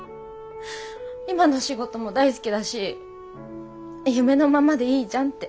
今の仕事も大好きだし夢のままでいいじゃんって。